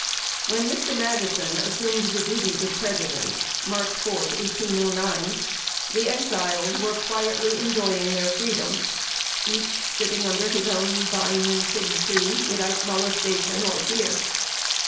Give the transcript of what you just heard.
When Mr. Madison assumed the duties of President (March 4, 1809), the Exiles were quietly enjoying their freedom; each sitting under his own vine and fig tree, without molestation or fear.